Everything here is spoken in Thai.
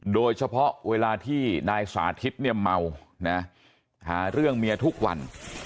โดยเฉพาะเวลาที่นายสาธิตเมาหาเรื่องเมียทุกวัน